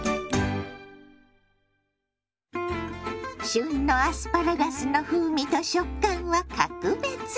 旬のアスパラガスの風味と食感は格別。